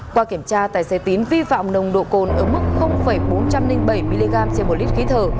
qua kiểm tra tài xế tín vi phạm nồng độ cồn ở mức bốn trăm linh bảy mg trên một lít khí thở